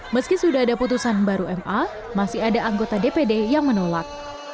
meski sudah ada putusan baru ma masih ada anggota dpd yang menolak